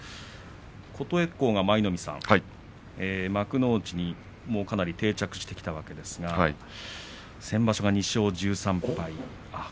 琴恵光は舞の海さん幕内にかなり定着してきましたが先場所が２勝１３敗。